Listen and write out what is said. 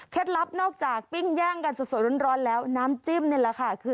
ลับนอกจากปิ้งย่างกันสดร้อนแล้วน้ำจิ้มนี่แหละค่ะคือ